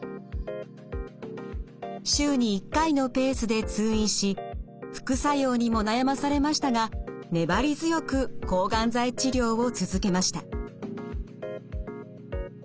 週に１回のペースで通院し副作用にも悩まされましたが粘り強く抗がん剤治療を続けました。